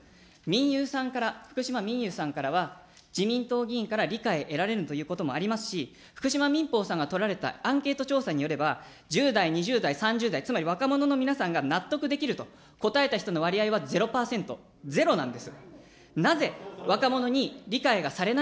みんゆうさんから、福島民友さんからは、自民党議員から理解を得られるということもありますし、ふくしまみんぽうさんが取られたアンケート調査によれば、１０代、２０代、３０代、つまり若者の皆さんが納得できると答えた人の割合は０％、０なんです。